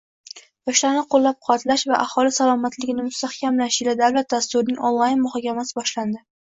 “Yoshlarni qoʻllab-quvvatlash va aholi salomatligini mustahkamlash yili” davlat dasturining onlayn muhokamasi boshlandi.